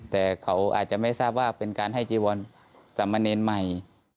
แต่เขาอาจจะไม่ทราบว่าเป็นการให้จีวรสามเณรใหม่